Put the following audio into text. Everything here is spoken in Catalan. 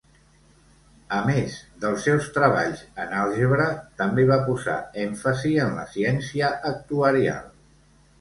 A més dels seus treballs en àlgebra, també va posar èmfasi en la ciència actuarial.